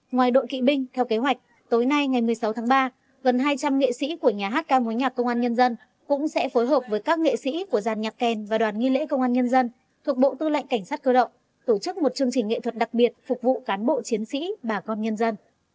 ngoài đội kỵ binh theo kế hoạch tối nay ngày một mươi sáu tháng ba gần hai trăm linh nghệ sĩ của nhà hát ca mối nhạc công an nhân dân cũng sẽ phối hợp với các nghệ sĩ của giàn nhạc kèn và đoàn nghi lễ công an nhân dân thuộc bộ tư lệnh cảnh sát cơ động tổ chức một chương trình nghệ thuật đặc biệt phục vụ cán bộ chiến sĩ bà con nhân dân